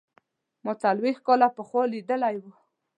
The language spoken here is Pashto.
ما څلوېښت کاله پخوا لیدلی و.